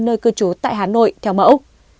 nơi cư trú tại hà nội theo mẫu